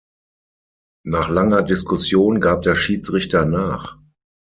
Nach langer Diskussion gab der Schiedsrichter nach.